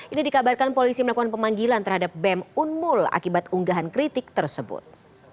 ini dikabarkan polisi melakukan pemanggilan terhadap bem unmul akibat unggahan kritik tersebut